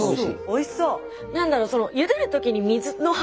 おいしそう。